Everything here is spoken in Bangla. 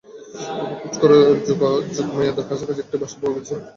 অনেক খোঁজ করে যোগমায়াদের কাছাকাছি একটা বাসা পাওয়া গেছে।